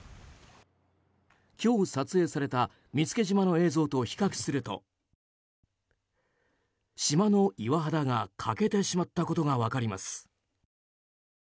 今日撮影された見附島の映像と比較すると島の岩肌が欠けてしまったことが分かります。